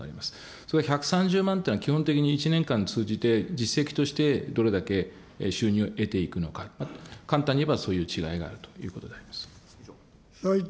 それから１３０万というのは、基本的に１年間通じて、実績としてどれだけ収入を得ていくのか、簡単に言えばそういう違いがあるということであります。